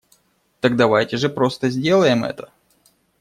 Так давайте же просто сделаем это!